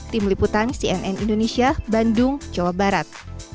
tim liputan cnn indonesia bandung jawa barat